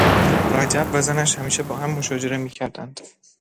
رجب و زنش همیشه با هم مشاجره میکردند.